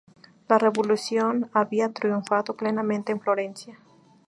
La revolución había triunfado plenamente en Florencia.